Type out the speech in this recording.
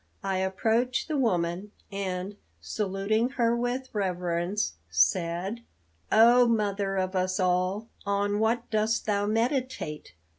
I approached the woman, and, saluting her with reverence, said: "O mother of us all, on what dost thou meditate?